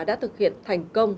đã thực hiện thành công